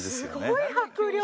すごい迫力！